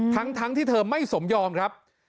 ทั้งที่เธอไม่สมยอมครับ